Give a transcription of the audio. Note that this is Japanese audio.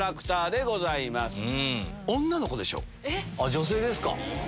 女性ですか？